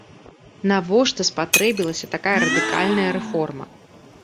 Навошта спатрэбілася такая радыкальная рэформа?